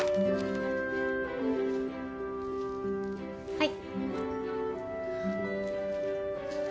はい。